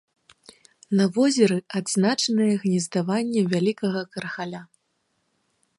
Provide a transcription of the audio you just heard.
На возеры адзначаныя гнездаванні вялікага крахаля.